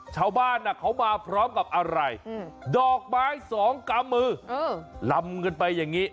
ชาวบ้านเขามาพร้อมกับอะไรดอกไม้สองกำมือลำกันไปอย่างนี้